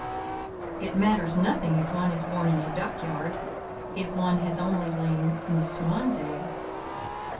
It matters nothing if one is born in a duck yard, if one has only lain in a swan's egg.